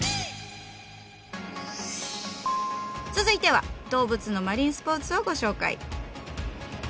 続いては動物のマリンスポーツをご紹介。